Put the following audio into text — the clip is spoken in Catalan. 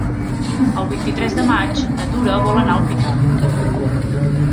El vint-i-tres de maig na Tura vol anar a Alpicat.